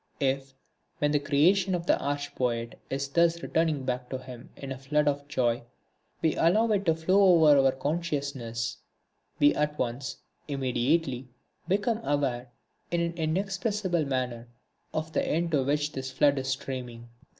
If, when the creation of the Arch Poet is thus returning back to him in a flood of joy, we allow it to flow over our consciousness, we at once, immediately, become aware, in an inexpressible manner, of the end to which this flood is streaming.